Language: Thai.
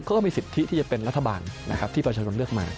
ก็มีสิทธิที่จะเป็นรัฐบาลที่ประชาชนเลือกมา